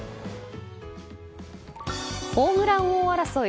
ホームラン王争い